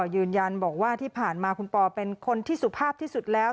ยืนยันบอกว่าที่ผ่านมาคุณปอเป็นคนที่สุภาพที่สุดแล้ว